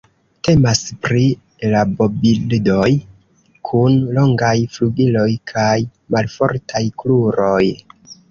Temas pri rabobirdoj kun longaj flugiloj kaj malfortaj kruroj.